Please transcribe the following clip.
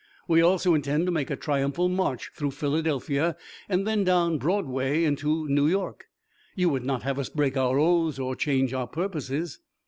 We also intend to make a triumphal march through Philadelphia, and then down Broadway in New York. You would not have us break our oaths or change our purposes."